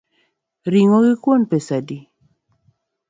Ring’o gi kuon pesa adi?